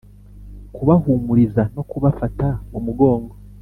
kubahumuriza no kubafata mu mugongo